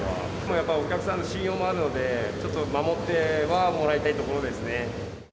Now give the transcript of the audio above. やっぱりお客さんの信用もあるので、ちょっと守ってはもらいたいところですね。